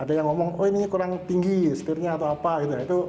ada yang ngomong oh ini kurang tinggi setirnya atau apa gitu